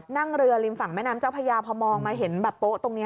นั่งเรือริมฝั่งแม่น้ำเจ้าพญาพอมองมาเห็นแบบโป๊ะตรงนี้